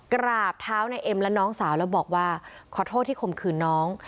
กราบเท้าในเอ็มและน้องสาวแล้วบอกว่าขอโทษที่คมคืนน้อง